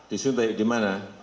disuntik di mana